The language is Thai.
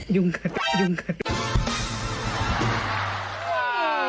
ยุ่งขึ้นยุ่งขึ้น